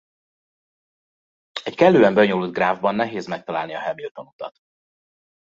Egy kellően bonyolult gráfban nehéz megtalálni a Hamilton-utat.